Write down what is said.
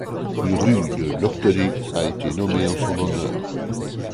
Une rue de Loctudy a été nommé en son honneur.